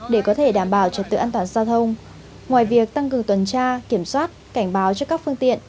để có thể đảm bảo trật tự an toàn giao thông ngoài việc tăng cường tuần tra kiểm soát cảnh báo cho các phương tiện